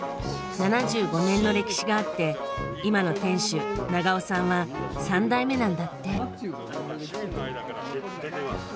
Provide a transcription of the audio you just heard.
７５年の歴史があって今の店主長尾さんは３代目なんだって。